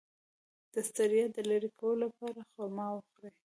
د ستړیا د لرې کولو لپاره خرما وخورئ